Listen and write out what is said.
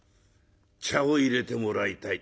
茶をいれてもらいたい」。